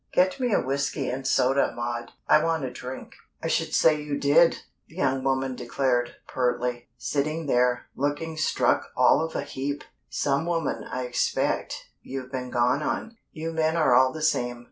Get me a whiskey and soda, Maud. I want a drink." "I should say you did!" the young woman declared, pertly. "Sitting there, looking struck all of a heap! Some woman, I expect, you've been gone on. You men are all the same.